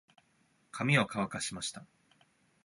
髪を乾かしました。